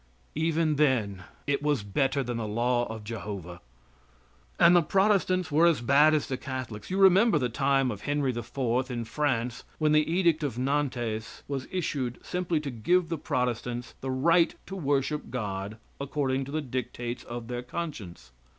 Even then it was better than the law of Jehovah. And the Protestants were as bad as the Catholics. You remember the time of Henry IV. in France, when the edict of Nantes was issued simply to give the Protestants the right to worship God according to the dictates of their conscience.